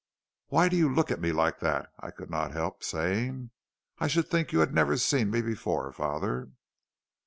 "'Why do you look at me like that?' I could not help saying. 'I should think you had never seen me before, father.'